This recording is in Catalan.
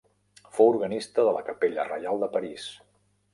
Fou organista de la capella reial de París.